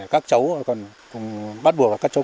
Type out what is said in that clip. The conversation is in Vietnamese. các cháu bắt buộc các cháu cũng phải nên biết